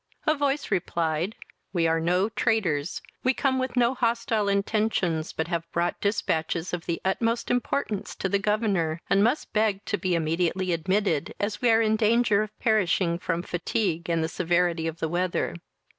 A voice replied, "We are no traitors; we come with no hostile intentions, but have brought dispatches of the utmost importance to the governor, and must beg to be immediately admitted, as we are in danger of perishing from fatigue and the severity of the weather."